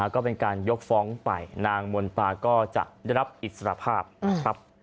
ก็เป็นการยกฟ้องไปนางมนตาก็จะได้รับอิสรภาพนะครับ